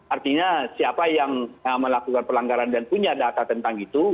artinya siapa yang melakukan pelanggaran dan punya data tentang itu